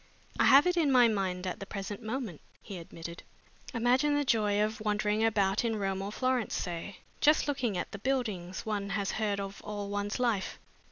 "I have it in my mind at the present moment," he admitted. "Imagine the joy of wandering about in Rome or Florence, say, just looking at the buildings one has heard of all one's life!